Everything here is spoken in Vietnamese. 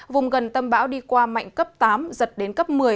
vùng gần tâm bão đi qua mạnh cấp tám giật đến cấp một mươi